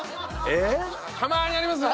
たまにありますね。